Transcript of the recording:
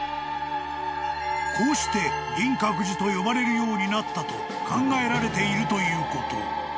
［こうして銀閣寺と呼ばれるようになったと考えられているということ］